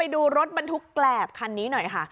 ดูรถบรรทุกแกรบคันนี้หน่อยค่ะ